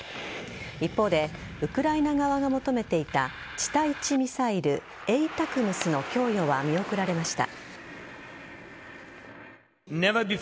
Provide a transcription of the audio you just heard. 一方でウクライナ側が求めていた地対地ミサイルＡＴＡＣＭＳの供与は見送られました。